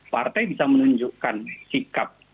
partai bisa menunjukkan sikap